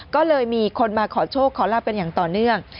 ก็เลยมีคนมาขอโชคขอลาบต่อเนื่อง